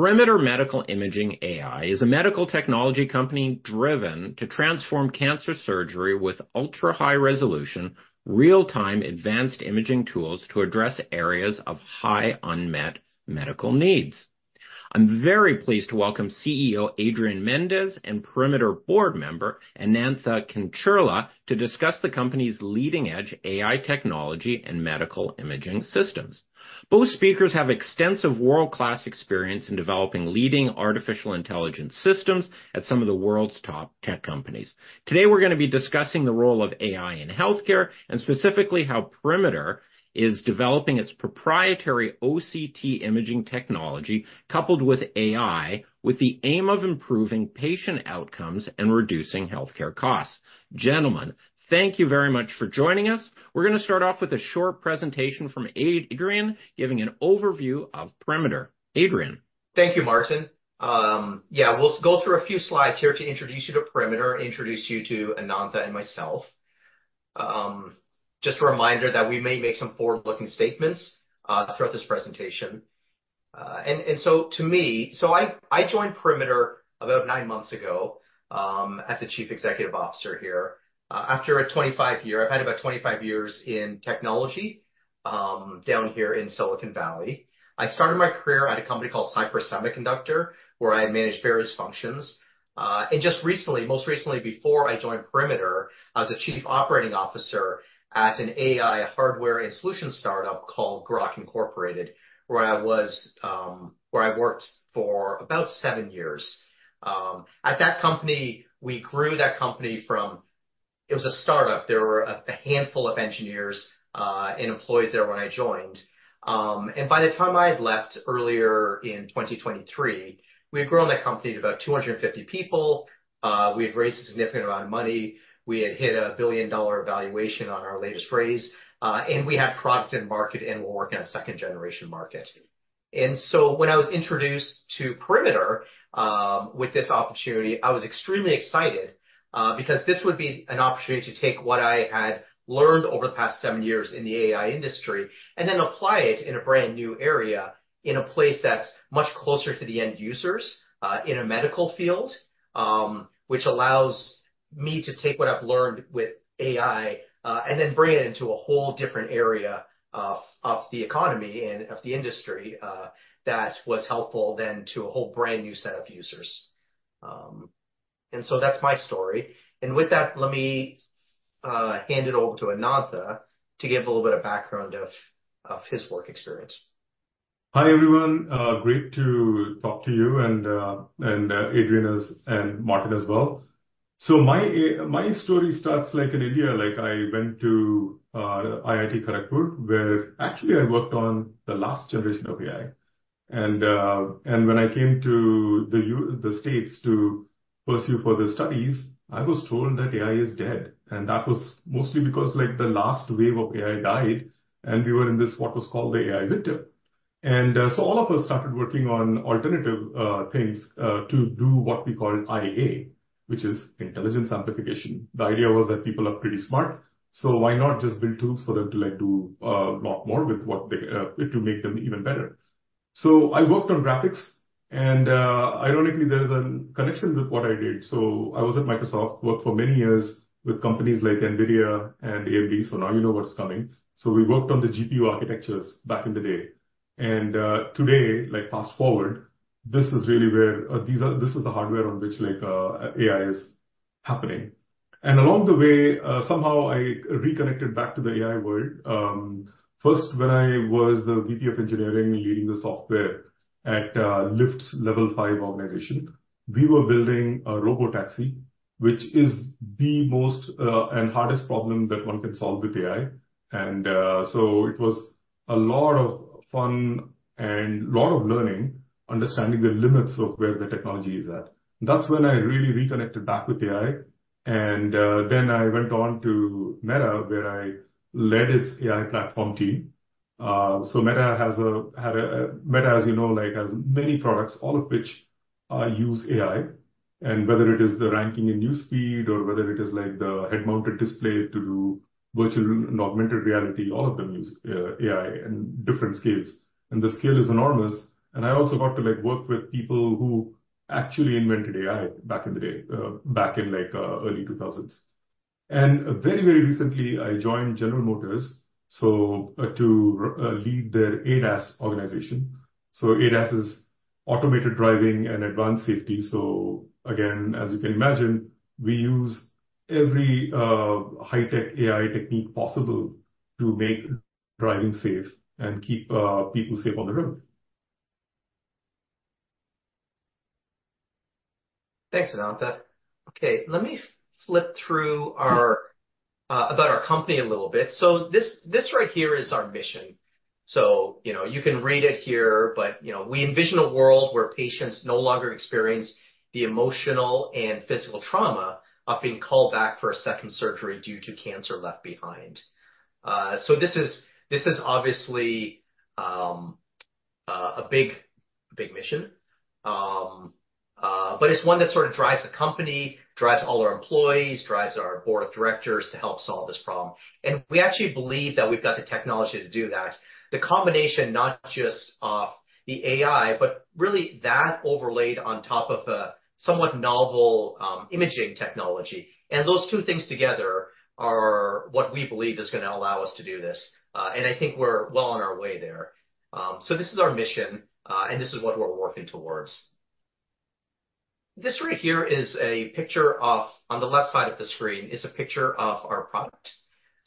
Perimeter Medical Imaging AI is a medical technology company driven to transform cancer surgery with ultra-high-resolution, real-time advanced imaging tools to address areas of high unmet medical needs. I'm very pleased to welcome CEO Adrian Mendes and Perimeter board member Anantha Kancherla to discuss the company's leading-edge AI technology and medical imaging systems. Both speakers have extensive world-class experience in developing leading artificial intelligence systems at some of the world's top tech companies. Today, we're going to be discussing the role of AI in healthcare and specifically how Perimeter is developing its proprietary OCT imaging technology coupled with AI with the aim of improving patient outcomes and reducing healthcare costs. Gentlemen, thank you very much for joining us. We're going to start off with a short presentation from Adrian giving an overview of Perimeter. Adrian. Thank you, Martin. Yeah, we'll go through a few slides here to introduce you to Perimeter and introduce you to Anantha and me. Just a reminder that we may make some forward-looking statements throughout this presentation. I joined Perimeter about nine months ago as the Chief Executive Officer here, after I'd had about 25 years in technology down here in Silicon Valley. I started my career at a company called Cypress Semiconductor, where I managed various functions. Most recently, before I joined Perimeter, I was a Chief Operating Officer at an AI hardware and solutions startup called Groq, Inc., where I worked for about seven years. At that company, we grew that company. It was a startup. There were a handful of engineers and employees there when I joined. By the time I had left earlier in 2023, we had grown that company to about 250 people, we had raised a significant amount of money, we had hit a billion-dollar valuation on our latest raise, and we had product and market, and we're working on a second-generation market. When I was introduced to Perimeter, with this opportunity, I was extremely excited, because this would be an opportunity to take what I had learned over the past seven years in the AI industry and then apply it in a brand-new area in a place that's much closer to the end users, in a medical field, which allows me to take what I've learned with AI, and then bring it into a whole different area of the economy and of the industry that was helpful then to a whole brand-new set of users. That's my story. With that, let me hand it over to Anantha to give a little bit of background on his work experience. Hi, everyone. Great to talk to you and Adrian and Martin as well. My story starts like in India. Like, I went to IIT Kharagpur, where, actually, I worked on the last generation of AI. When I came to the U.S. to pursue further studies, I was told that AI was dead; that was mostly because, like, the last wave of AI died, and we were in this what was called the AI winter. All of us started working on alternative things to do what we call IA, which is intelligence amplification. The idea was that people are pretty smart; why not just build tools for them to, like, do a lot more with what they have to make them even better? I worked on graphics, and ironically, there is a connection with what I did. I was at Microsoft and worked for many years with companies like NVIDIA and AMD, so now you know what's coming. We worked on the GPU architectures back in the day. Today, like fast-forward, this is really where this is—the hardware on which, like, AI is happening. Along the way, somehow I reconnected back to the AI world. First, when I was the VP of engineering leading the software at Lyft's Level 5 organization. We were building a robotaxi, which is the most and hardest problem that one can solve with AI. So it was a lot of fun and a lot of learning, understanding the limits of where the technology is at. That's when I really reconnected with AI. Then I went on to Meta, where I led its AI platform team. Meta, as you know, like, has many products, all of which use AI. Whether it is the ranking in News Feed or whether it is like the head-mounted display to do virtual and augmented reality, all of them use AI on different scales. The scale is enormous. I also got to, like, work with people who actually invented AI back in the day, back in, like, the early 2000s. Very, very recently, I joined General Motors to lead their ADAS organization. ADAS is automated driving and advanced safety. Again, as you can imagine, we use every high-tech AI technique possible to make driving safe and keep people safe on the road. Thanks, Anantha. Okay, let me flip through our about page for our company a little bit. This right here is our mission. You know, you can read it here, but, you know, we envision a world where patients no longer experience the emotional and physical trauma of being called back for a second surgery due to cancer left behind. This is obviously a big mission. It's one that sort of drives the company, drives all our employees, and drives our board of directors to help solve this problem. We actually believe that we've got the technology to do that. The combination not just of the AI, but really that overlaid on top of a somewhat novel imaging technology—those two things together are what we believe are going to allow us to do this. I think we're well on our way there. This is our mission; this is what we're working towards. On the left side of the screen is a picture of our product.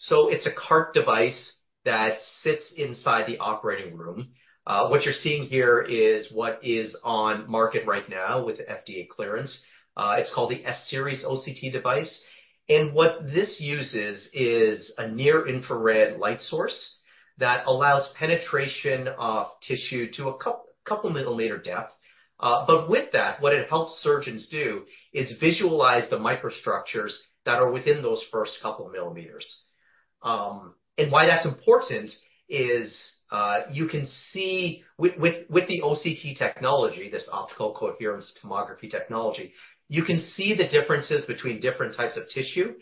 It's a cart device that sits inside the operating room. What you're seeing here is what is on the market right now with FDA clearance. It's called the S-Series OCT device. What this uses is a near-infrared light source that allows penetration of tissue to a millimeter depth. With that, what it helps surgeons do is visualize the microstructures that are within those first couple of millimeters. Why that's important is you can see with the OCT technology, this optical coherence tomography technology, the differences between different types of tissue.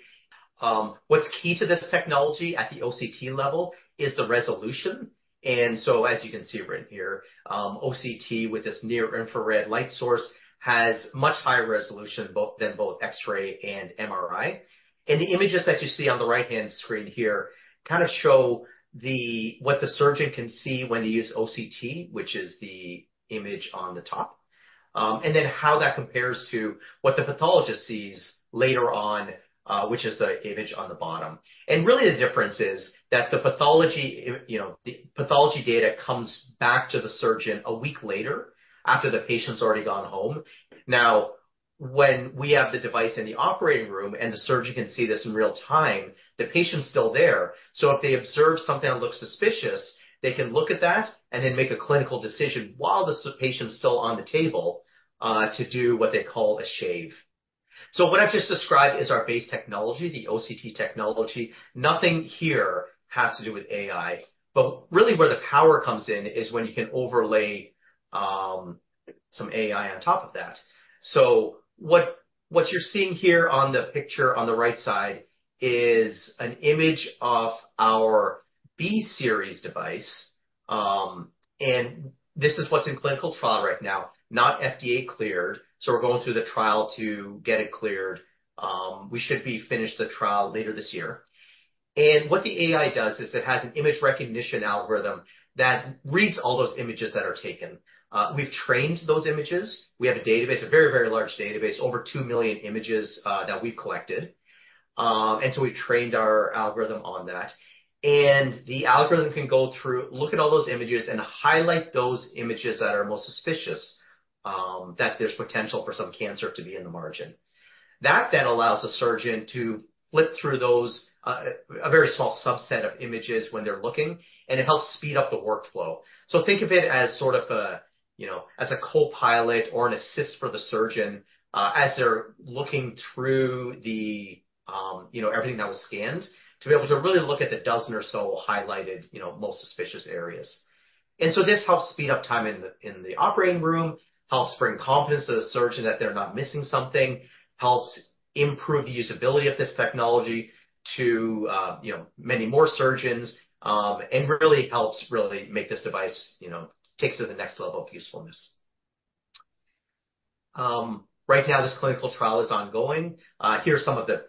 What's key to this technology at the OCT level is the resolution. As you can see written here, OCT with this near-infrared light source has much higher resolution than both X-ray and MRI. The images that you see on the right-hand screen here kind of show what the surgeon can see when they use OCT, which is the image on the top, and then how that compares to what the pathologist sees later on, which is the image on the bottom. Really, the difference is that the pathology, you know, the pathology data comes back to the surgeon a week later after the patient's already gone home. Now, when we have the device in the operating room and the surgeon can see this in real time, the patient's still there, so if they observe something that looks suspicious, they can look at that and then make a clinical decision while the patient's still on the table to do what they call a shave. What I've just described is our base technology, the OCT technology. Nothing here has to do with AI. Really where the power comes in is when you can overlay some AI on top of that. What you're seeing here on the picture on the right side is an image of our B-Series device. This is what's in clinical trial right now, not FDA cleared; we're going through the trial to get it cleared. We should be finished with the trial later this year. What the AI does is it has an image recognition algorithm that reads all those images that are taken. We've trained on those images. We have a database, a very, very large database, with over two million images that we've collected. We've trained our algorithm on that. The algorithm can go through, look at all those images, and highlight those images that are most suspicious that there's potential for some cancer to be in the margin. That allows the surgeon to flip through those, a very small subset of images, when they're looking, and it helps speed up the workflow. Think of it as sort of a, you know, as a co-pilot or an assistant for the surgeon as they're looking through the, you know, everything that was scanned to be able to really look at the dozen or so highlighted, you know, most suspicious areas. This helps speed up time in the operating room, helps bring confidence to the surgeon that they're not missing something, helps improve the usability of this technology for, you know, many more surgeons, and really helps make this device, you know, take it to the next level of usefulness. Right now this clinical trial is ongoing. Here are some of the,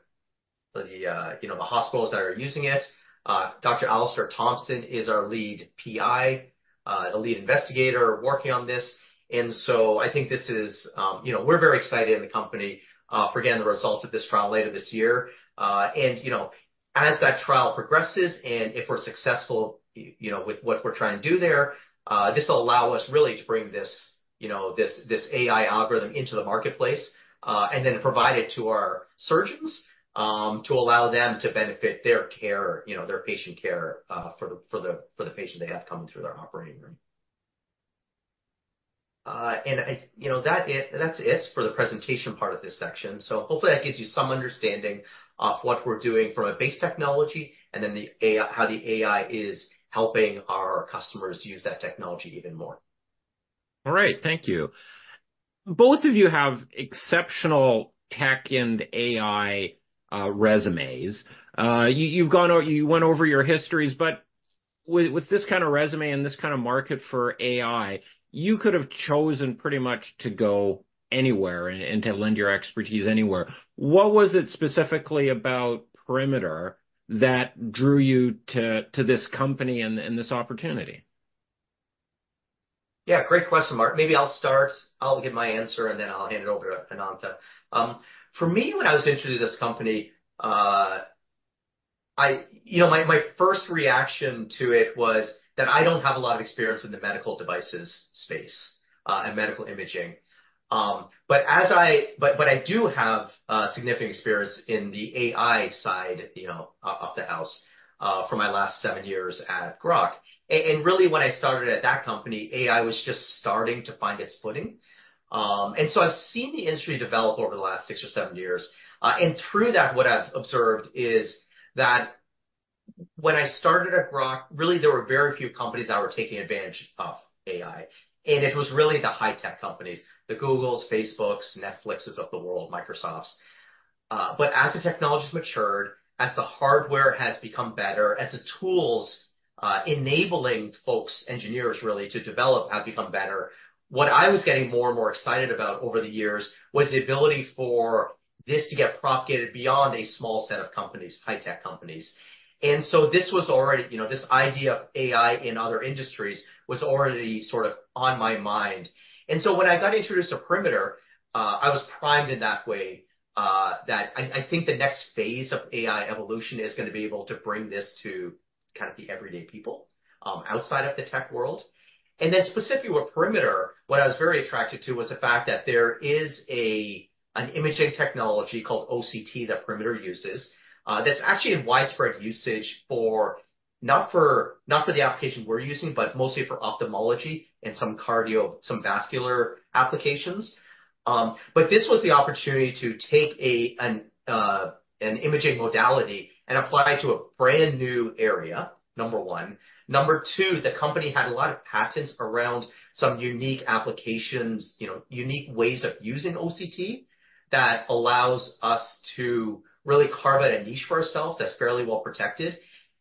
you know, the hospitals that are using it. Dr. Alastair Thompson is our lead PI, a lead investigator working on this. I think this is, you know, we're very excited in the company about getting the results of this trial later this year. As that trial progresses, and if we're successful, you know, with what we're trying to do there, this will allow us really to bring this, you know, this AI algorithm, into the marketplace and then provide it to our surgeons to allow them to benefit their care, you know, their patient care, for the patient they have coming through their operating room. You know, that's it for the presentation part of this section. Hopefully that gives you some understanding of what we're doing from a base technology and then the AI—how the AI is helping our customers use that technology even more. All right. Thank you. Both of you have exceptional tech and AI resumes. You went over your histories, but with this kind of resume and this kind of market for AI, you could have chosen pretty much to go anywhere and to lend your expertise. What was it specifically about Perimeter that drew you to this company and this opportunity? Yeah, great question, Martin. Maybe I'll start. I'll give my answer, and then I'll hand it over to Anantha. For me, when I was introduced to this company, my first reaction to it was that I don't have a lot of experience in the medical device space and medical imaging. But I do have significant experience in the AI side, you know, of the house, for my last seven years at Groq. Really, when I started at that company, AI was just starting to find its footing. I've seen the industry develop over the last six or seven years. Through that, what I've observed is. When I started at Groq, really there were very few companies that were taking advantage of AI, and it was really the high-tech companies, the Googles, Facebooks, Netflixes of the world, and and Microsofts. As the technology has matured, as the hardware has become better, as the tools enabling folks, engineers really, to develop have become better, what I was getting more and more excited about over the years was the ability for this to get propagated beyond a small set of companies, high-tech companies. This was already, you know, this idea of AI in other industries was already sort of on my mind. When I got introduced to Perimeter, I was primed in that way, so I think the next phase of AI evolution is going to be able to bring this to kind of the everyday people, outside of the tech world. Specifically with Perimeter, what I was very attracted to was the fact that there is an imaging technology called OCT that Perimeter uses that's actually in widespread usage for not the application we're using, but mostly for ophthalmology and some vascular applications. But this was the opportunity to take an imaging modality and apply it to a brand new area, number one. Number two, the company had a lot of patents around some unique applications, you know, unique ways of using OCT that allow us to really carve out a niche for ourselves that's fairly well-protected.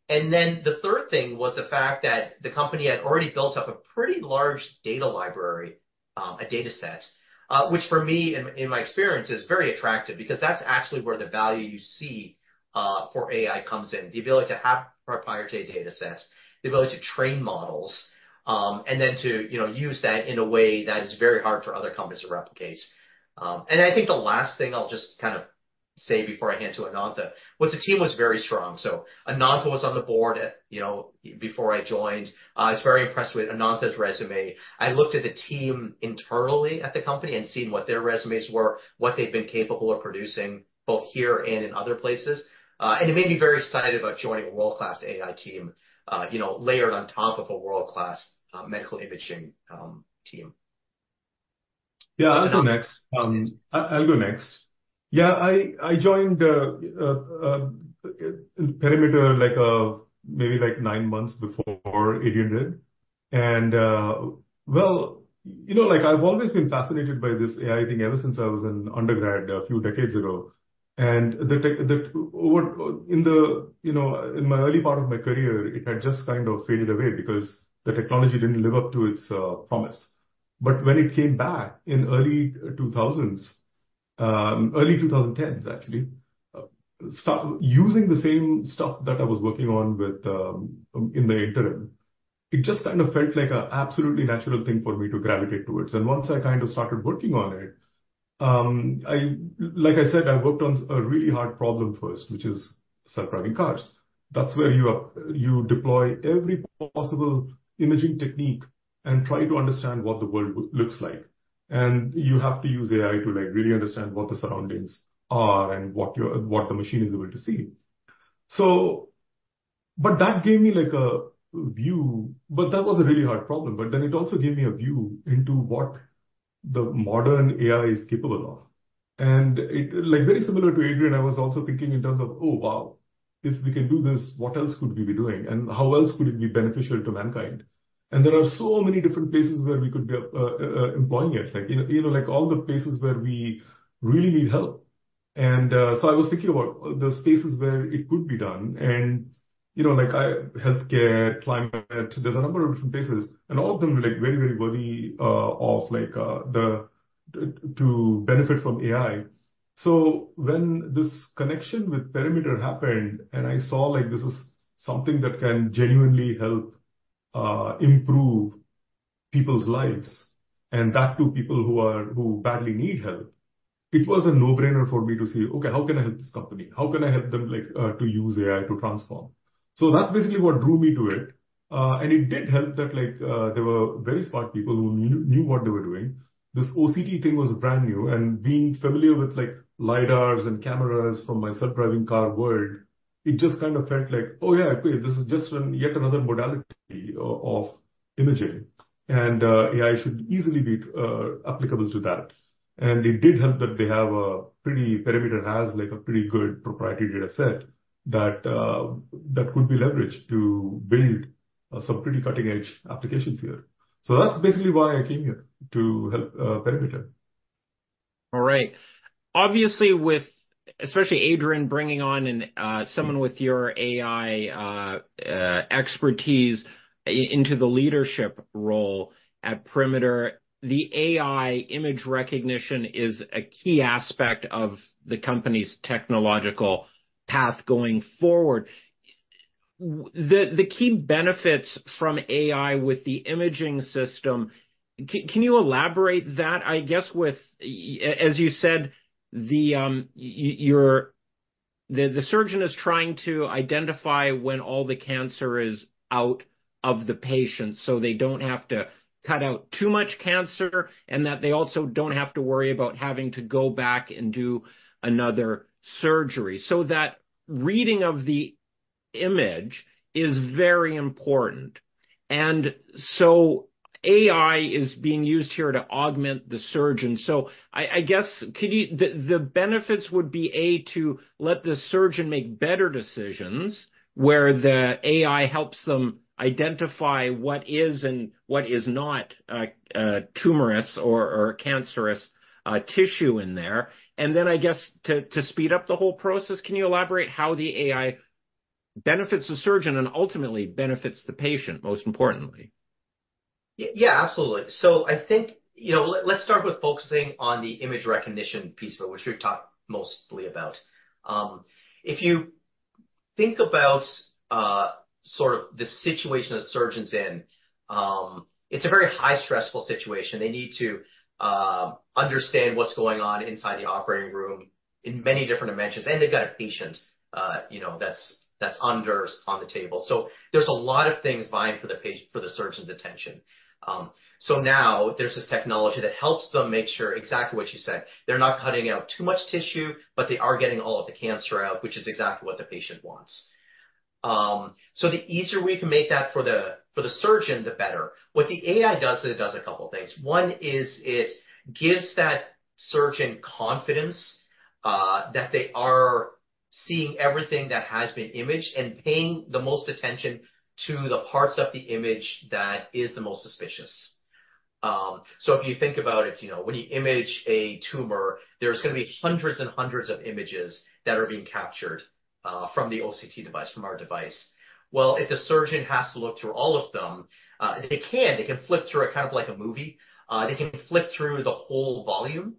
The third thing was the fact that the company had already built up a pretty large data library, a dataset, which, for me, in my experience, is very attractive because that's actually where the value you see for AI comes in: the ability to have proprietary datasets, the ability to train models, and then to, you know, use that in a way that is very hard for other companies to replicate. I think the last thing I'll just kind of say before I hand to Anantha is the team was very strong. Anantha was on the board, you know, before I joined. I was very impressed with Anantha's resume. I looked at the team internally at the company and saw what their resumes were and what they've been capable of producing both here and in other places, and it made me very excited about joining a world-class AI team, you know, layered on top of a world-class medical imaging team. Yeah, I'll go next. I'll go next. Yeah, I joined Perimeter like maybe nine months before Adrian did. Well, you know, like, I've always been fascinated by this AI thing ever since I was an undergrad a few decades ago. In the, you know, early part of my career, it had just kind of faded away because the technology didn't live up to its promise. When it came back in the early 2000s, early 2010s, actually, using the same stuff that I was working on, in the interim, it just kind of felt like an absolutely natural thing for me to gravitate towards. Once I kind of started working on it. Like I said, I worked on a really hard problem first, which is self-driving cars. That's where you deploy every possible imaging technique and try to understand what the world looks like. You have to use AI to, like, really understand what the surroundings are and what the machine is able to see. That gave me like a view. That was a really hard problem; it also gave me a view into what modern AI is capable of. It's, like, very similar to Adrian; I was also thinking in terms of, Oh, wow, if we can do this, what else could we be doing, and how else could it be beneficial to mankind? There are so many different places where we could be employing it. Like, you know, like all the places where we really need help. I was thinking about the spaces where it could be done, and, you know, like, healthcare and climate; there are a number of different places, and all of them are, like, very, very worthy of, like, benefiting from AI. When this connection with Perimeter happened, and I saw, like, this is something that can genuinely help and improve people's lives, and that's for people who badly need help, it was a no-brainer for me to say, Okay, how can I help this company? How can I help them, like, to use AI to transform? It did help that, like, there were very smart people who knew what they were doing. This OCT thing was brand new, and being familiar with, like, lidars and cameras from my self-driving car world, it just kind of felt like, Oh, yeah, okay, this is just yet another modality of imaging, and AI should easily be applicable to that. It did help that Perimeter has, like, a pretty good proprietary dataset that could be leveraged to build some pretty cutting-edge applications here. That's basically why I came here, to help Perimeter. All right. Obviously, with especially Adrian bringing on someone with your AI expertise into the leadership role at Perimeter, AI image recognition is a key aspect of the company's technological path going forward. The key benefits from AI with the imaging system—can you elaborate on that? I guess with that, as you said, the surgeon is trying to identify when all the cancer is out of the patient so they don't have to cut out too much cancer and they also don't have to worry about having to go back and do another surgery. That reading of the image is very important. AI is being used here to augment the surgeon. I guess, could you? The benefits would be, A, to let the surgeon make better decisions, where the AI helps them identify what is and what is not tumorous or cancerous tissue in there. I guess to speed up the whole process. Can you elaborate on how the AI benefits the surgeon and ultimately benefits the patient, most importantly? Yeah, absolutely. I think, you know, let's start with focusing on the Image recognition piece of it, which we've talked mostly about. If you think about sort of the situation a surgeon's in, it's a very highly stressful situation. They need to understand what's going on inside the operating room in many different dimensions, and they've got a patient, you know, that's under on the table. There are a lot of things vying for the surgeon's attention. Now there's this technology that helps them make sure, exactly as you said, they're not cutting out too much tissue, but they are getting all of the cancer out, which is exactly what the patient wants. The easier we can make that for the surgeon, the better. What the AI does is it does a couple things. One is it gives that surgeon confidence that they are seeing everything that has been imaged and paying the most attention to the parts of the image that are the most suspicious. If you think about it, you know, when you image a tumor, there are going to be hundreds and hundreds of images that are being captured from the OCT device, from our device. If the surgeon has to look through all of them, they can flip through them kind of like a movie. They can flip through the whole volume.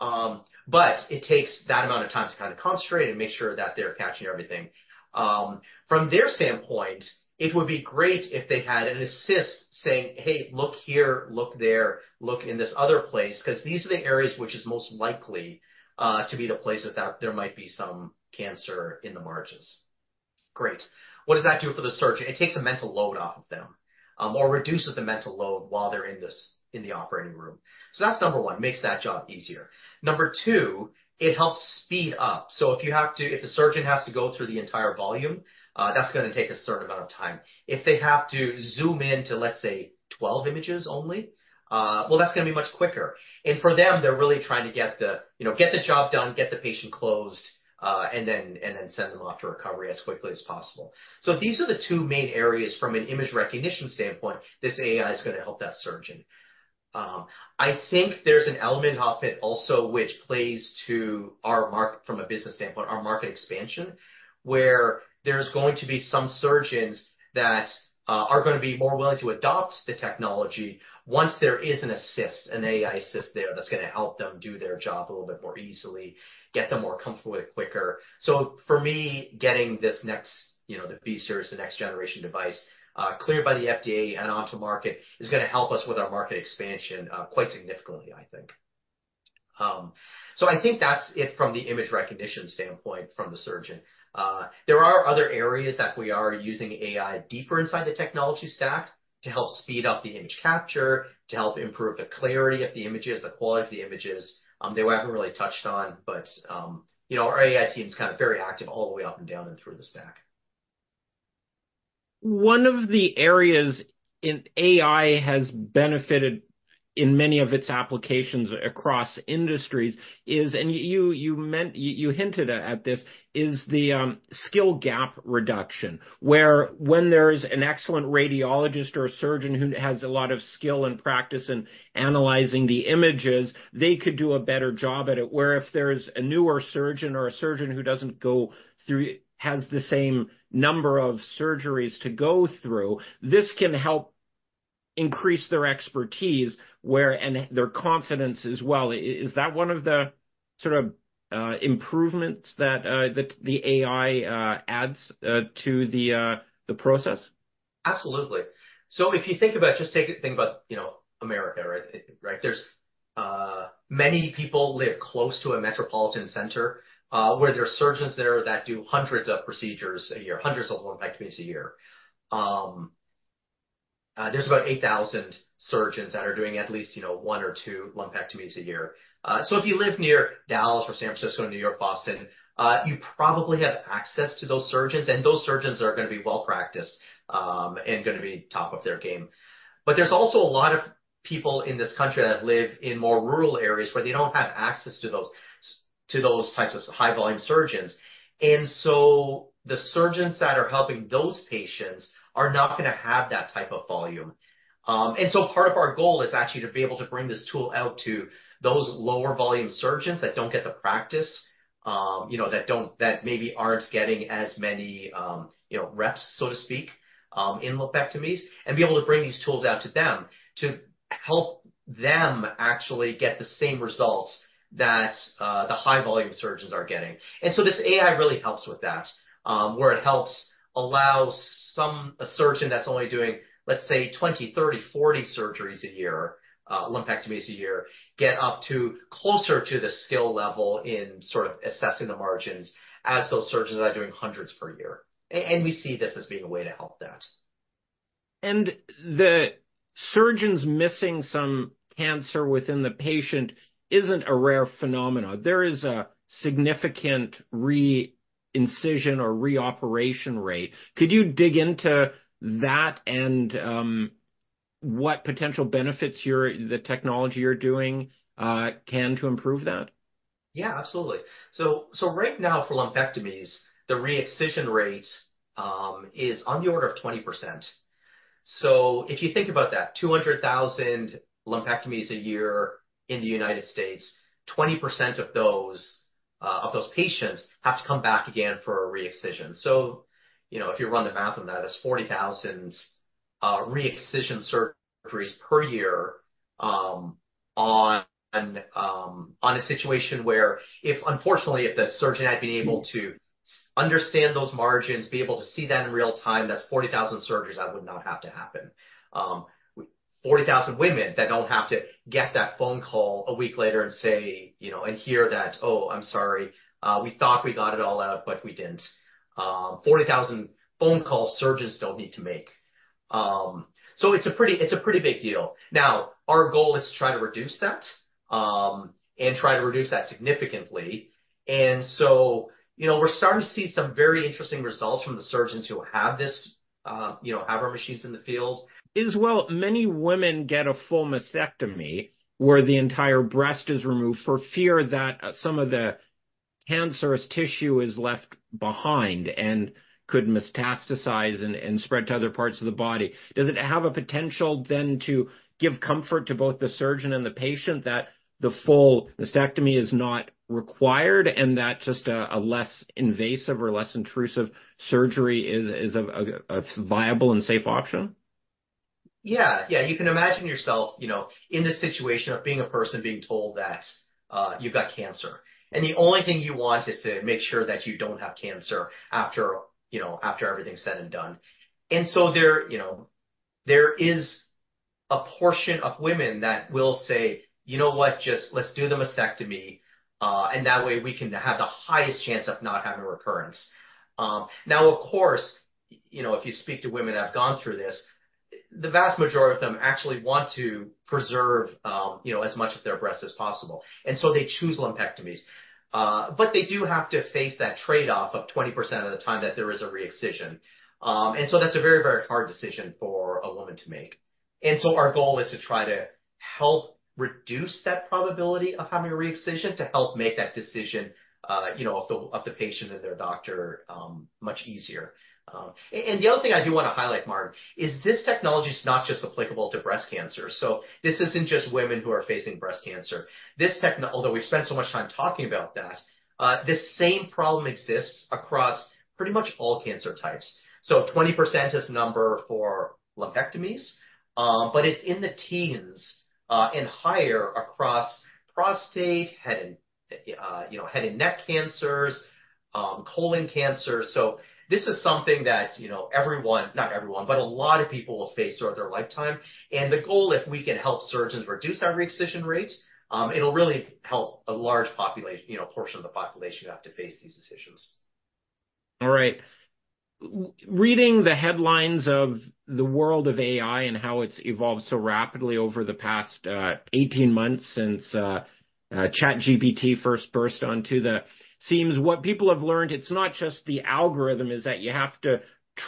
It takes that amount of time to kind of concentrate and make sure that they're catching everything. From their standpoint, it would be great if they had an assistant saying, Hey, look here, look there, look in this other place, 'cause these are the areas that are most likely to be the places where there might be some cancer in the margins. Great. What does that do for the surgeon? It takes a mental load off of them or reduces the mental load while they're in the operating room. That's number one, making that job easier. Number two, it helps speed up. If the surgeon has to go through the entire volume, that's going to take a certain amount of time. If they have to zoom in to, let's say, 12 images only, well, that's going to be much quicker. For them, they're really trying to get the, you know, get the job done, get the patient closed, and then send them off to recovery as quickly as possible. These are the two main areas from an Image recognition standpoint; this AI is going to help that surgeon. I think there's an element of it also, which plays to our Market from a business standpoint, our market expansion, where there's going to be some surgeons that are going to be more willing to adopt the technology once there is an assist, an AI assist there that's going to help them do their job a little bit more easily and get them more comfortable with it quicker. For me, getting this next, you know, the B-Series, the next-generation device, cleared by the FDA and onto the market is going to help us with our market expansion quite significantly, I think. I think that's it from the Image recognition standpoint from the surgeon. There are other areas where we are using AI deeper inside the technology stack to help speed up the image capture and to help improve the clarity of the images and the quality of the images that we haven't really touched on. You know, our AI team's kind of very active all the way up and down and through the stack. One of the areas in AI that has benefited in many of its applications across industries is, as you hinted at, the skill gap reduction. Where, when there's an excellent radiologist or a surgeon who has a lot of skill and practice in analyzing the images, they could do a better job at it. Where if there's a newer surgeon or a surgeon who doesn't have the same number of surgeries to go through, this can help increase their expertise and their confidence as well. Is that one of the sort of improvements that the AI adds to the process? Absolutely. If you think about it, think about, you know, America, right? There are many people who live close to a metropolitan center, where there are surgeons there that do hundreds of procedures a year, hundreds of lumpectomies, a year. There are about 8,000 surgeons that are doing at least, you know, one or two lumpectomies a year. If you live near Dallas or San Francisco, New York, or Boston, you probably have access to those surgeons, and those surgeons are going to be well-practiced and at the top of their game. There are also a lot of people in this country that live in more rural areas where they don't have access to those, to those types of high-volume surgeons. The surgeons that are helping those patients are not going to have that type of volume. Part of our goal is actually to be able to bring this tool out to those lower-volume surgeons that don't get the practice, you know, that maybe aren't getting as many, you know, reps, so to speak, in lumpectomies, and be able to bring these tools out to them to help them actually get the same results that the high-volume surgeons are getting. This AI really helps with that, where it helps allow a surgeon that's only doing, let's say, 20, 30, or 40 surgeries a year, lumpectomies a year, get up to closer to the skill level in sort of assessing the margins as those surgeons that are doing hundreds per year. We see this as being a way to help that. Surgeons missing some cancer within the patient isn't a rare phenomenon. There is a significant re-incision or re-operation rate. Could you dig into that and what potential benefits the technology you're doing can to improve that? Yeah, absolutely. Right now for lumpectomies, the re-excision rate is on the order of 20%. If you think about that, 200,000 lumpectomies a year in the United States—20% of those patients have to come back again for a re-excision. You know, if you run the math on that, it's 40,000 re-excision surgeries per year in a situation where, unfortunately, if the surgeon had been able to understand those margins and be able to see that in real time, those are 40,000 surgeries that would not have to happen. 40,000 women that don't have to get that phone call a week later and say, you know, and hear that, Oh, I'm sorry, we thought we got it all out, but we didn't. 40,000 phone calls surgeons don't need to make. It's a pretty, it's a pretty big deal. Now, our goal is to try to reduce that and try to reduce that significantly. You know, we're starting to see some very interesting results from the surgeons who have this, you know, have our machines in the field. Also, many women get a full mastectomy where the entire breast is removed for fear that some of the cancerous tissue is left behind and could metastasize and spread to other parts of the body. Does it have the potential, then, to give comfort to both the surgeon and the patient that the full mastectomy is not required and that just a less invasive or less intrusive surgery is a viable and safe option? Yeah. Yeah. You can imagine yourself, you know, in the situation of being a person being told that you've got cancer, and the only thing you want is to make sure that you don't have cancer after, you know, after everything's said and done. There, you know, there is a portion of women that will say, You know what? Just let's do the mastectomy, and that way we can have the highest chance of not having a recurrence. Now, of course, you know, if you speak to women that have gone through this, the vast majority of them actually want to preserve, you know, as much of their breast as possible, and so they choose lumpectomies. They do have to face that trade-off of 20% of the time that there is a re-excision. That's a very, very hard decision for a woman to make. Our goal is to try to help reduce that probability of having a re-excision to help make that decision, you know, of the patient and their doctor much easier. The other thing I do want to highlight, Martin, is this technology's not just applicable to breast cancer. This isn't just women who are facing breast cancer. Although we've spent so much time talking about that, this same problem exists across pretty much all cancer types. 20% is the number for lumpectomies, but it's in the teens and higher across prostate, head and, you know, head and neck cancers, and colon cancer. This is something that, you know, not everyone, but a lot of people will face throughout their lifetime. The goal, if we can help surgeons reduce those re-excision rates, will really help a large, you know, portion of the population who have to face these decisions. Reading the headlines of the world of AI and how it's evolved so rapidly over the past 18 months since ChatGPT first burst onto the scene, what people have learned is that it's not just the algorithm; you have to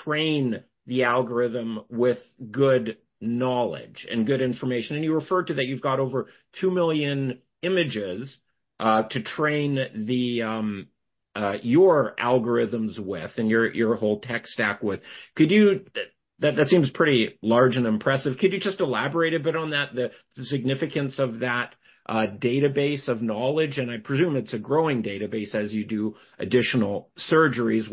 train the algorithm with good knowledge and good information. You referred to the fact that you've got over two million images to train your algorithms with and your whole tech stack with. That seems pretty large and impressive. Could you just elaborate a bit on that, the significance of that database of knowledge? I presume it's a growing database as you do additional surgeries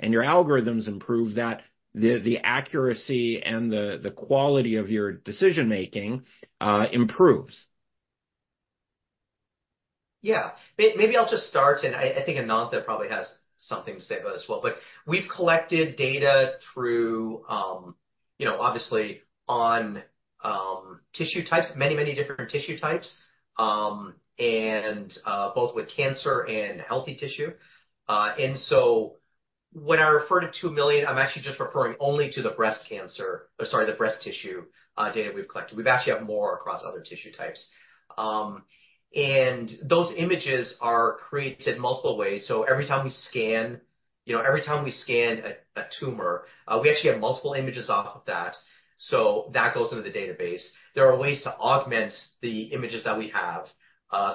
and your algorithms improve, so the accuracy and quality of your decision-making improve. Yeah. Maybe I'll just start, and I think Anantha Kancherla probably has something to say about it as well. We've collected data through, you know, obviously, many different tissue types, both with cancer and healthy tissue. When I refer to two million, I'm actually just referring only to the breast cancer—or sorry, the breast tissue—data we've collected. We've actually more across other tissue types. Those images are created in multiple ways. Every time we scan, you know, every time we scan a tumor, we actually have multiple images of that, so that goes into the database. There are ways to augment the images that we have,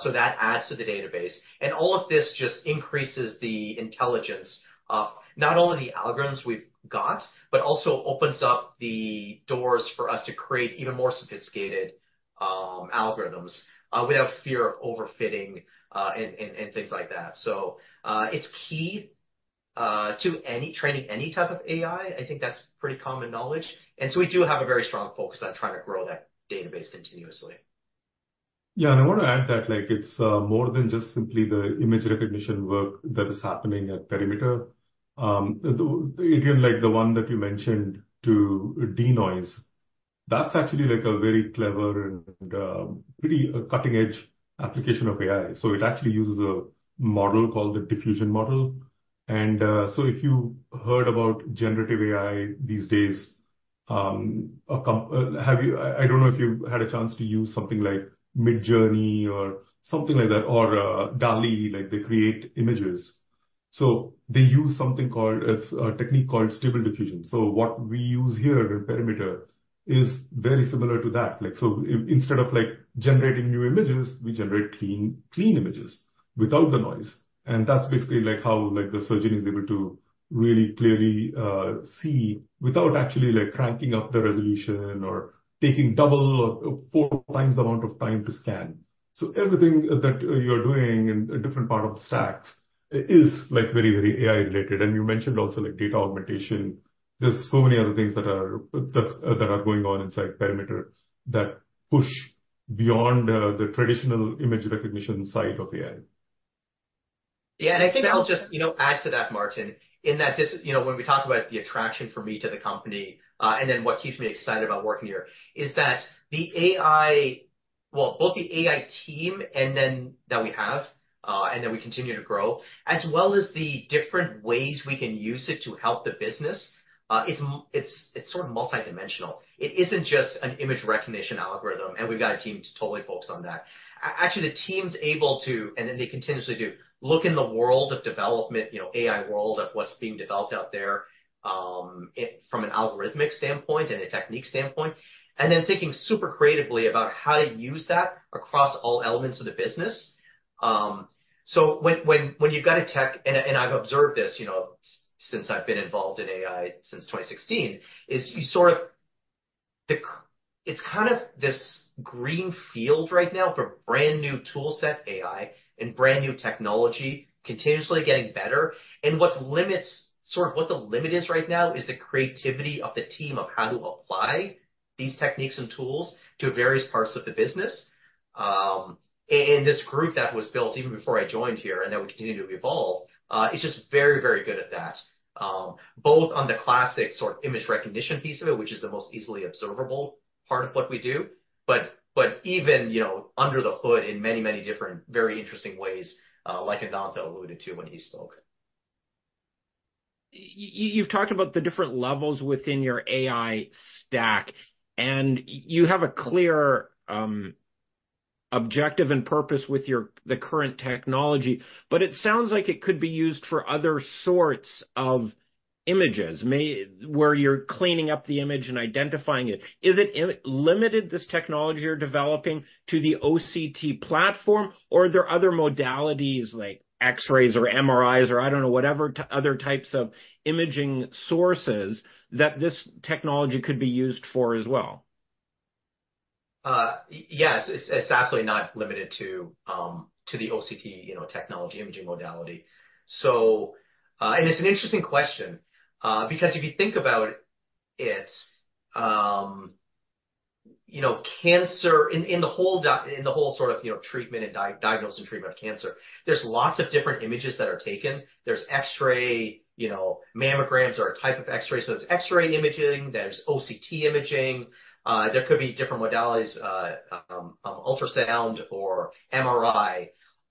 so that adds to the database. All of this just increases the intelligence of not only the algorithms we've got but also opens up the doors for us to create even more sophisticated algorithms without fear of overfitting and things like that. It's key to any training, any type of AI. I think that's pretty common knowledge. We do have a very strong focus on trying to grow that database continuously. Yeah. I want to add that, like, it's more than just simply the image recognition work that is happening at Perimeter. Even like the one that you mentioned to denoise, that's actually like a very clever and pretty cutting-edge application of AI. It actually uses a model called the diffusion model. If you've heard about generative AI these days, I don't know if you've had a chance to use something like Midjourney or something like that, or DALL-E, like they create images. They use something called it. It's a technique called Stable Diffusion. What we use here in Perimeter is very similar to that. Instead of like generating new images, we generate clean images without the noise; that's basically like how the surgeon is able to really clearly see without actually like cranking up the resolution or taking double or four times the amount of time to scan. Everything that you're doing in a different part of the stacks is like very AI related. You mentioned also like data augmentation. There are so many other things that are going on inside Perimeter that push beyond the traditional Image recognition side of AI. Yeah. I think I'll just, you know, add to that, Martin, in that this. You know, when we talk about the attraction for me to the company, and then what keeps me excited about working here, is that the AI. Well, both the AI team and what we have, and what we continue to grow, as well as the different ways we can use it to help the business, are multidimensional. It isn't just an image recognition algorithm, and we've got a team to totally focus on that. Actually, the team's able to, and then they continuously do, look in the world of development, you know, the AI world of what's being developed out there, from an algorithmic standpoint and a technique standpoint, and then think super creatively about how to use that across all elements of the business. When you've got a tech, and I've observed this, you know, since I've been involved in AI since 2016, you sort of have this green field right now for brand-new toolset AI and brand-new technology continuously getting better. What limits, sort of what the limit is right now, is the creativity of the team of how to apply these techniques and tools to various parts of the business. This group that was built even before I joined here and that we continue to evolve is just very, very good at that, both on the classic sort of image recognition piece of it, which is the most easily observable part of what we do, and even, you know, under the hood in many, many different, very interesting ways, like Anantha alluded to when he spoke. You've talked about the different levels within your AI stack, and you have a clear objective and purpose with your current technology. It sounds like it could be used for other sorts of images where you're cleaning up the image and identifying it. Is it limited, this technology you're developing, to the OCT platform, or are there other modalities like X-rays or MRIs or, I don't know, whatever other types of imaging sources that this technology could be used for as well? Yes. It's absolutely not limited to the OCT, you know, technology imaging modality. It's an interesting question. If you think about it, you know, cancer in the whole sort of, you know, diagnosis and treatment of cancer, there are lots of different images that are taken. There's X-ray, you know. mammograms are a type of X-ray, so there's X-ray imaging. There's OCT imaging. There could be different modalities, like ultrasound or MRI.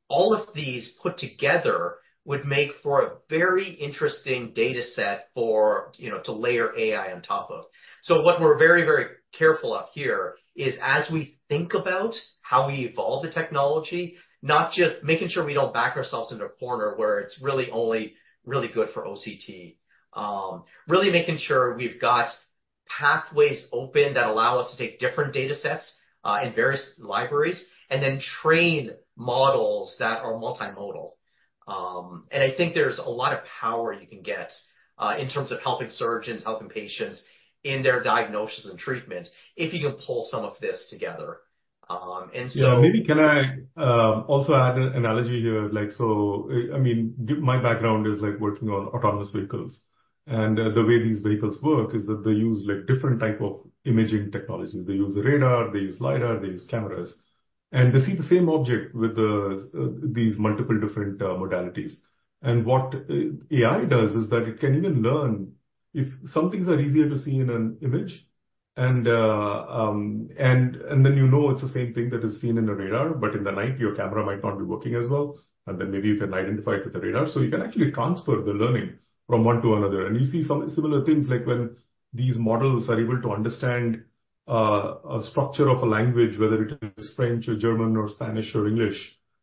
All of these put together would make for a very interesting data set for, you know, layering AI on top of. What we're very, very careful of here is as we think about how we evolve the technology, not just making sure we don't back ourselves into a corner where it's really only really good for OCT, but really making sure we've got pathways open that allow us to take different data sets in various libraries and then train models that are multimodal. I think there's a lot of power you can get in terms of helping surgeons and helping patients in their diagnosis and treatment if you can pull some of this together. Yeah. Maybe I can also add an analogy here? Like, I mean, my background is like working on autonomous vehicles; the way these vehicles work is that they use like different types of imaging technologies. They use radar, they use lidar, they use cameras, and they see the same object with these multiple different modalities. What AI does is that it can even learn if some things are easier to see in an image, and then you know it's the same thing that is seen in the radar. In the night, your camera might not be working as well; then maybe you can identify it with the radar. You can actually transfer the learning from one to another. You see some similar things, like when these models are able to understand the structure of a language, whether it is French or German or Spanish or English,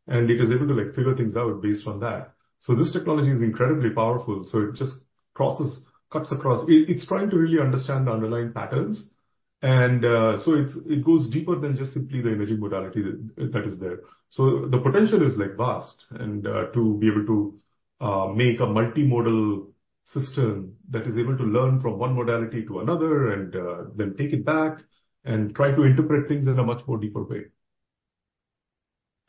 and they are able to like figure things out based on that. This technology is incredibly powerful, so it just crosses, cuts across. It's trying to really understand the underlying patterns, and it goes deeper than just simply the imaging modality that is there. The potential is like vast and to be able to make a multimodal system that is able to learn from one modality to another and then take it back and try to interpret things in a much more deeper way.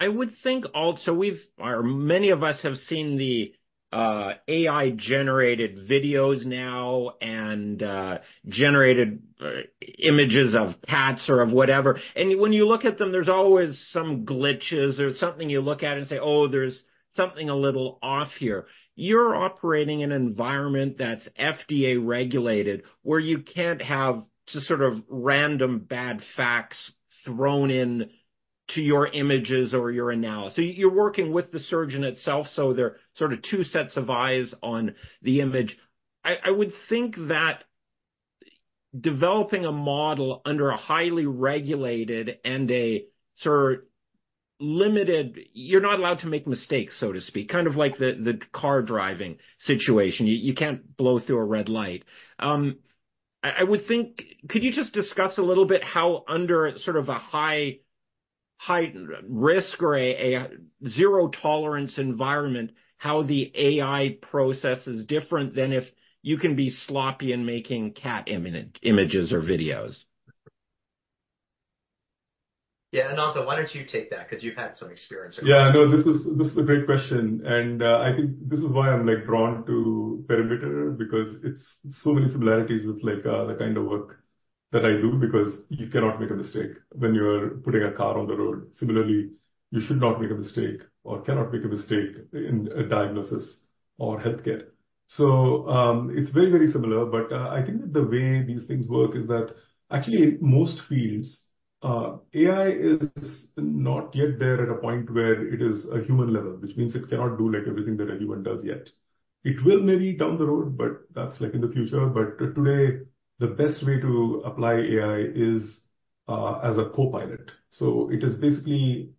I would think also we've, or many of us have, seen the AI-generated videos now and generated images of cats or whatever. When you look at them, there are always some glitches. There's something you look at and say, Oh, there's something a little off here. You're operating in an environment that's FDA regulated, where you can't have just some sort of random bad facts thrown into your images or your analysis. You're working with the surgeon; there are sort of two sets of eyes on the image. I would think that developing a model under a highly regulated and sort of limited. You're not allowed to make mistakes, so to speak. Kind of like the car driving situation. You can't run through a red light. Could you just discuss a little bit how under a sort of a heightened risk or a zero-tolerance environment, the AI process is different than if you could be sloppy in making cat images or videos? Yeah. Anantha, why don't you take that? Because you've had some experience with this. No, this is a great question. I think this is why I'm, like, drawn to Perimeter because it's so similar to the kind of work that I do because you cannot make a mistake when you are putting a car on the road. Similarly, you should not make a mistake or cannot make a mistake in a diagnosis or healthcare. It's very, very similar. I think that the way these things work is that actually most fields, AI is not yet there at a point where it is human level, which means it cannot do, like, everything that a human does yet. It will maybe be down the road, but that's like in the future. Today, the best way to apply AI is as a co-pilot. It is basically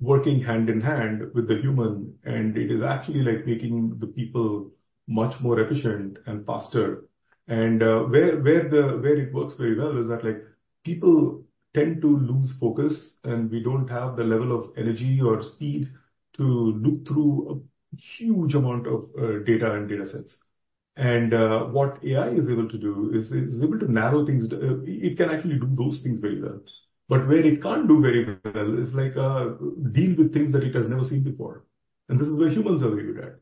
working hand in hand with the human, and it is actually like making the people much more efficient and faster. Where it works very well is that, like, people tend to lose focus, and we don't have the level of energy or speed to look through a huge amount of data and datasets. What AI is able to do is it's able to narrow things down. It can actually do those things very well. Where it can't do very well is like, deal with things that it has never seen before, and this is where humans are very good at.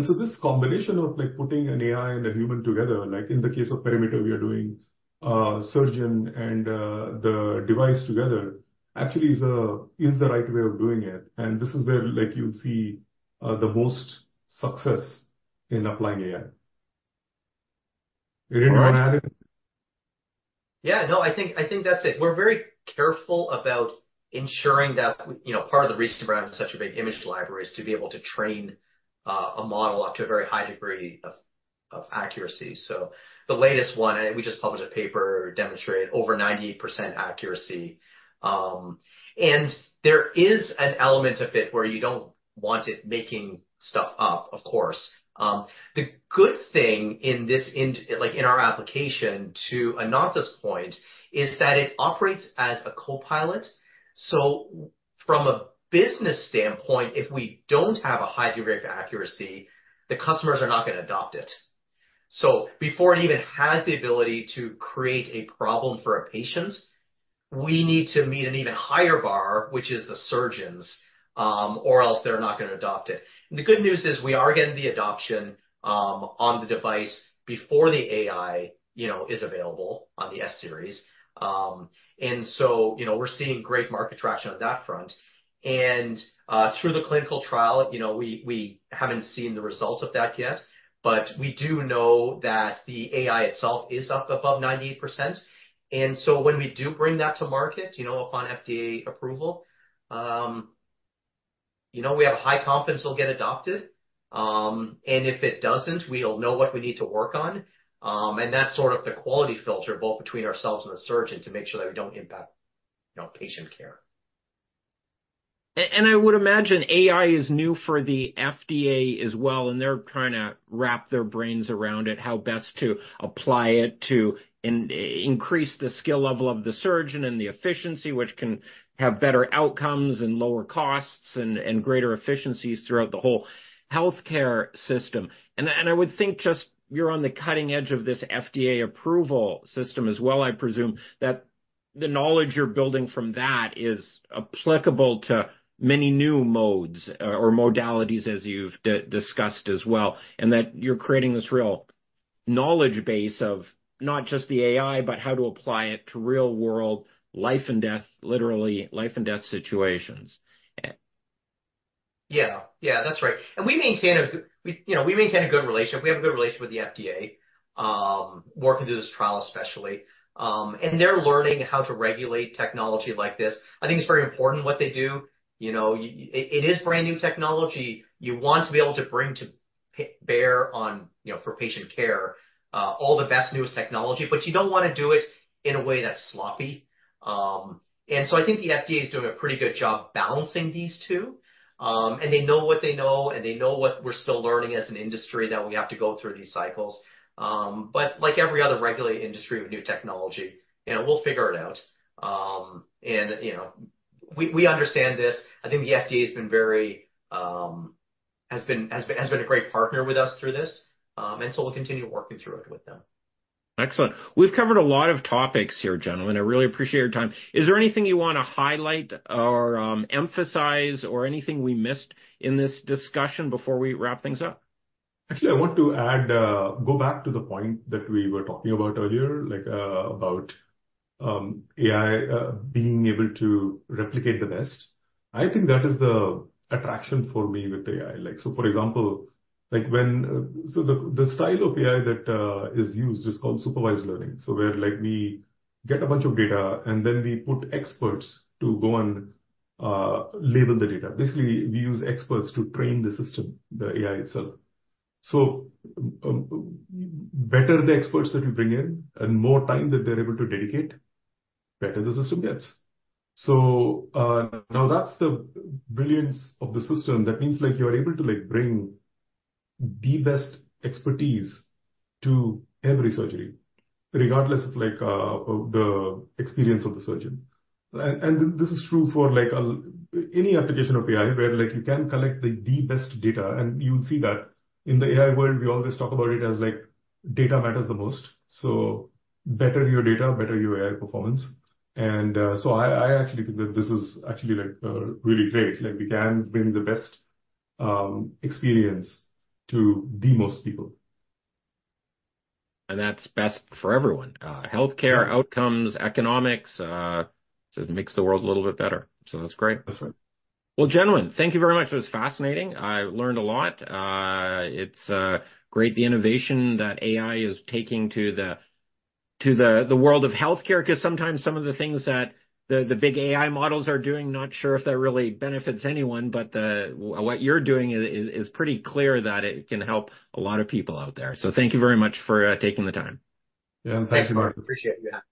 This combination of, like, putting an AI and a human together, like in the case of Perimeter, we are doing the surgeon and the device together, actually is the right way of doing it. This is where, like, you'll see the most success in applying AI. You didn't want to add anything? I think that's it. We're very careful about ensuring that part of the reason we're having such a big image library is to be able to train a model up to a very high degree of accuracy. The latest one, and we just published a paper, demonstrated over 98% accuracy. There is an element of it where you don't want it making stuff up, of course. The good thing about our application, to Anantha's point, is that it operates as a co-pilot. From a business standpoint, if we don't have a high degree of accuracy, the customers are not going to adopt it. Before it even has the ability to create a problem for a patient, we need to meet an even higher bar, which is the surgeons, or else they're not gonna adopt it. The good news is we are getting the adoption on the device before the AI, you know, is available on the S-Series. You know, we're seeing great market traction on that front. Through the clinical trial, you know, we haven't seen the results of that yet, but we do know that the AI itself is up above 98%. When we do bring that to market, you know, upon FDA approval, you know, we have high confidence it'll get adopted. If it doesn't, we'll know what we need to work on. That's sort of the quality filter, both between ourselves and the surgeon, to make sure that we don't impact, you know, patient care. I would imagine AI is new for the FDA as well, and they're trying to wrap their brains around it, how best to apply it to increase the skill level of the surgeon and the efficiency, which can have better outcomes and lower costs and greater efficiencies throughout the whole healthcare system. I would think just you're on the cutting edge of this FDA approval system as well; I presume that the knowledge you're building from that is applicable to many new modes or modalities as you've discussed as well, and that you're creating this real knowledge base of not just the AI, but how to apply it to real-world life and death, literally life and death situations. Yeah. Yeah. That's right. We maintain a good relationship. We have a good relationship with the FDA, working through this trial especially. They're learning how to regulate technology like this. I think it's very important what they do. You know, it is brand-new technology. You want to be able to bring to bear on, you know, for patient care, all the best, newest technology, but you don't want to do it in a way that's sloppy. I think the FDA is doing a pretty good job balancing these two. They know what they know, they know what we're still learning as an industry, that we have to go through these cycles. Like every other regulated industry with new technology, you know, we'll figure it out. You know, we understand this. I think the FDA has been very, has been a great partner with us through this. We'll continue working through it with them. Excellent. We've covered a lot of topics here, gentlemen. I really appreciate your time. Is there anything you want to highlight or emphasize or anything we missed in this discussion before we wrap things up? Actually, I want to add, going back to the point that we were talking about earlier, like, about AI being able to replicate the best. I think that is the attraction for me with AI. Like, for example, like when the style of AI that is used is called supervised learning. Where, like, we get a bunch of data, and then we put experts to go and label the data. Basically, we use experts to train the system, the AI itself. Better the experts that we bring in and the more time that they're able to dedicate, the better the system gets. Now that's the brilliance of the system. That means, like, you're able to, like, bring the best expertise to every surgery regardless of, like, the experience of the surgeon. This is true for, like, any application of AI where, like, you can collect the best data, and you'll see that. In the AI world, we always talk about it as if, like, data matters the most. Better your data, better your AI performance. I actually think that this is actually like really great. Like, we can bring the best experience to the most people. That's best for everyone, healthcare outcomes, economics; it just makes the world a little bit better. That's great. That's right. Well, gentlemen, thank you very much. It was fascinating. I learned a lot. It's great, the innovation that AI is bringing to the world of healthcare 'cause sometimes some of the things that the big AI models are doing, I'm not sure if that really benefits anyone. What you're doing is pretty clearly that it can help a lot of people out there. Thank you very much for taking the time. Yeah. Thanks a lot. Thanks, Martin. Appreciate you having us.